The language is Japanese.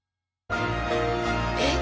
えっ？